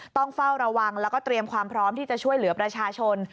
ต้องเฝ้าระวังแล้วก็เตรียมความพร้อมที่จะช่วยเหลือประชาชน